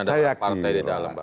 misalnya ada partai di dalam